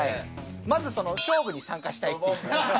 まず勝負に参加したいっていう。